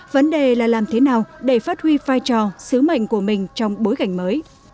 vấn đề là làm thế nào để phát huy vai trò sứ mệnh của mình trong bối cảnh mới